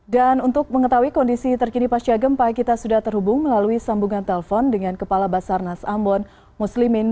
dan untuk mengetahui kondisi terkini pasca gempa kita sudah terhubung melalui sambungan telpon dengan kepala basarnas ambon muslimin